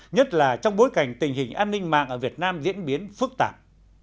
nhất là trong bối cảnh tình hình an ninh mạng ở việt nam diễn biến phức tạp